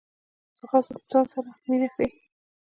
ځغاسته د ځان سره مینه ښيي